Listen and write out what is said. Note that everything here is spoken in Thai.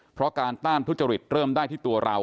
เพราะการต้านทุจริตเริ่มได้ที่ตัวเรา